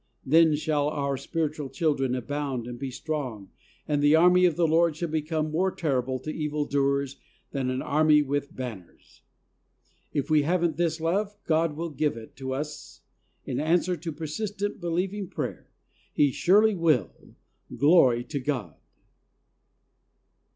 Then shall our spiritual children abound and be strong, and The Army of the Lord shall become more terrible KEEPING THE FLOCK. 131 to evil doers than "an army with ban ners." If we haven't this love, God will give it to us in answer to persistent, believing prayer. He surely will. Glory to God